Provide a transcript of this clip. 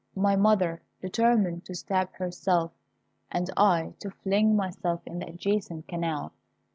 My mother determined to stab herself, and I to fling myself in the adjacent canal.